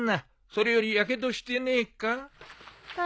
それよりやけどしてねえか？